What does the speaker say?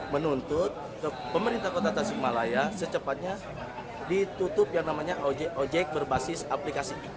menuntut pemerintah kota tasikmalaya secepatnya ditutup yang namanya ojek ojek berbasis aplikasi